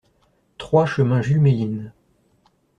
trois chemin Jules Méline